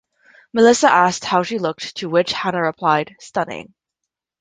Melissa asked how she looked to which Hannah replied "Stunning".